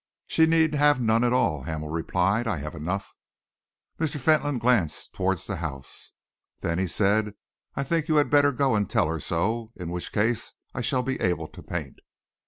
"She need have none at all," Hamel replied; "I have enough." Mr. Fentolin glanced towards the house. "Then," he said, "I think you had better go and tell her so; in which case, I shall be able to paint."